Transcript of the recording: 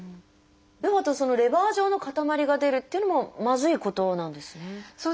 そのレバー状の塊が出るっていうのもまずいことなんですね。